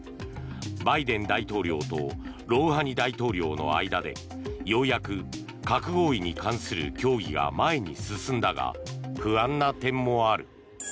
バイデン大統領とロウハニ大統領の間でようやく核合意に関する協議が前に進んだが不安な点もある。